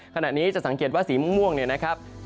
ขณะนี้จะสังเกตว่าสีม่วงเนี่ยนะครับ